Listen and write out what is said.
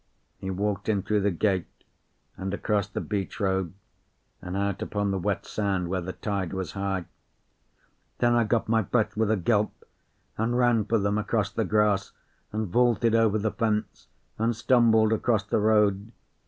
He walked him through the gate, and across the beach road, and out upon the wet sand, where the tide was high. Then I got my breath with a gulp, and ran for them across the grass, and vaulted over the fence, and stumbled across the road.